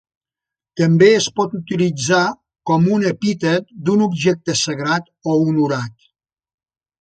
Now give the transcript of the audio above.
També es pot utilitzar com un epítet d'un objecte sagrat o honorat.